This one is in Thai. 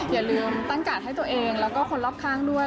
อย่าลืมตั้งกาดให้ตัวเองแล้วก็คนรอบข้างด้วย